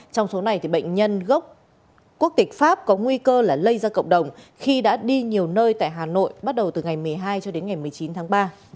trong số này bệnh nhân gốc quốc tịch pháp có nguy cơ là lây ra cộng đồng khi đã đi nhiều nơi tại hà nội bắt đầu từ ngày một mươi hai cho đến ngày một mươi chín tháng ba